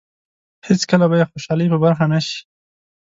هېڅکله به یې خوشالۍ په برخه نه شي.